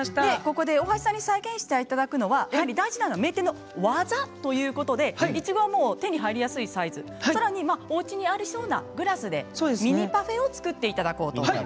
ここで大橋さんに再現していただくのは大事なのは名店の技ということでいちごは手に入りやすいサイズさらに、おうちにありそうなグラスでミニパフェを作っていただこうと。